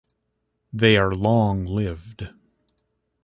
They are long-lived.